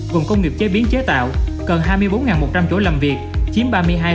gồm công nghiệp chế biến chế tạo cần hai mươi bốn một trăm linh chỗ làm việc chiếm ba mươi hai bốn mươi năm